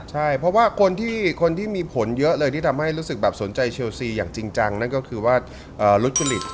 ใช่เพราะว่าคนที่มีผลเยอะเลยที่ทำให้รู้สึกแบบสนใจเชลซีอย่างจริงจังนั่นก็คือว่าลุทจริต